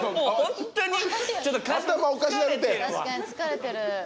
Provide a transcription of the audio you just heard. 疲れてるわ。